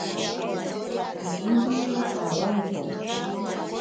Pipishitero awanko.